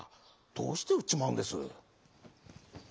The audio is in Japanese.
どうしてうっちまうんです？」。